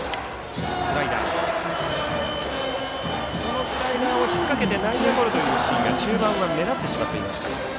このスライダーを引っ掛けて内野ゴロというシーンは中盤は目立っていました。